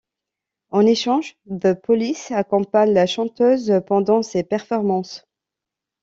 En échange, The Police accompagne la chanteuse pendant ses performances.